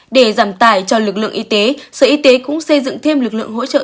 để giảm tải cho lực lượng y tế sở y tế cũng xây dựng thêm lực lượng hỗ trợ